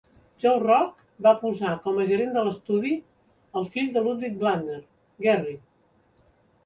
Joe Rock va posar com a gerent de l'estudi al fill de Ludwig Blattner, Gerry.